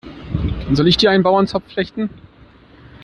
Soll ich dir einen Bauernzopf flechten?